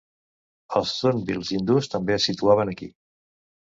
Els "Zunbils" hindús també es situaven aquí.